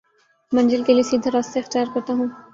منزل کے لیے سیدھا راستہ اختیار کرتا ہوں